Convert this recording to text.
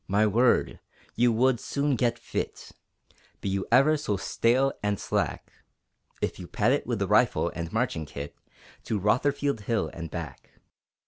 My word, you would soon get fit, Be you ever so stale and slack, If you pad it with rifle and marching kit To Rotherfield Hill and back!